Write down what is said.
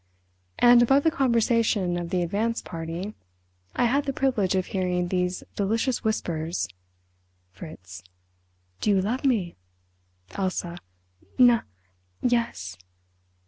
And above the conversation of the advance party I had the privilege of hearing these delicious whispers. Fritz: "Do you love me?" Elsa: "Nu—yes."